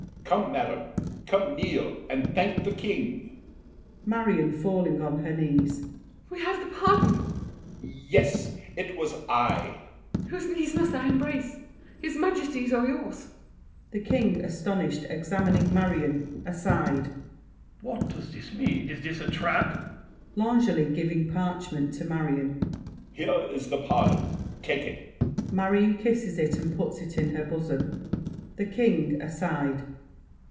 Come, madame, Come, kneel, and thank the King. MARION (falling on her knees). We have the pardon? L'ANGELY. Yes! It was I— MARION. Whose knees must I embrace— His Majesty's or yours? THE KING (astonished, examining Marion: aside). What does this mean? Is this a trap? L'ANGELY (giving parchment to Marion). Here is the pardon. Take it! [Marion kisses it, and puts it in her bosom. THE KING (aside).